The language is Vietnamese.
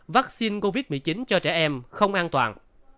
vaccine covid một mươi chín cho trẻ em không an toàn